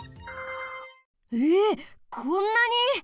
えこんなに？